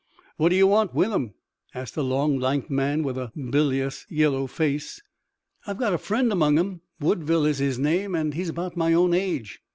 "What do you want with 'em?" asked a long, lank man with a bilious yellow face. "I've got a friend among 'em. Woodville is his name, and he's about my own age."